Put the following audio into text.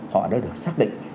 họ đã được xác định